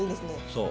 そう。